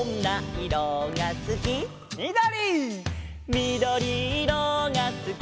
「みどりいろがすき」